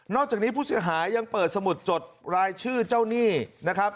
อกจากนี้ผู้เสียหายยังเปิดสมุดจดรายชื่อเจ้าหนี้นะครับ